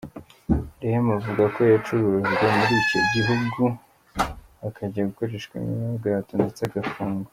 Rehema avuga ko yacurujwe muri icyo gihugu akajya gukoreshwa imirimo y’agahato ndetse agafungwa.